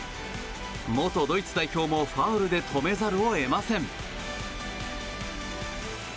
元ドイツ代表もファウルで止めざるを得ません。